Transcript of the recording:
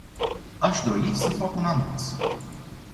Aș dori să fac un anunț.